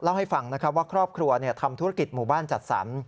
เล่าให้ฟังนะครับว่าครอบครัวทำธุรกิจหมู่บ้านจัดสรร